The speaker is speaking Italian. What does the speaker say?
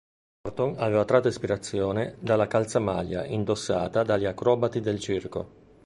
Norton aveva tratto ispirazione dalla calzamaglia indossata dagli acrobati del circo.